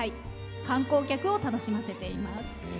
観光客を楽しませています。